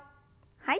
はい。